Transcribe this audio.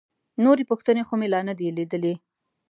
نورې پوښتنې خو مې لا نه دي لیدلي.